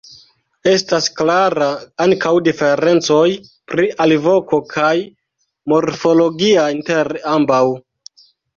Estas klara ankaŭ diferencoj pri alvoko kaj morfologia inter ambaŭ.